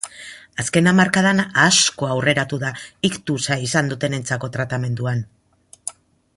Azken hamarkadan asko aurreratu da iktusa izan dutenentzako tratamentuan.